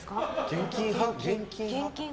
現金派？